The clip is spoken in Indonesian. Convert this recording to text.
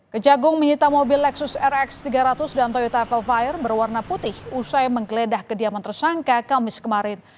kejagung menyita mobil lexus rx tiga ratus dan toyota velfire berwarna putih usai menggeledah kediaman tersangka kamis kemarin